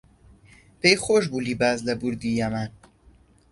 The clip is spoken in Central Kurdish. پێی خۆش بوو لیباس لە بوردی یەمان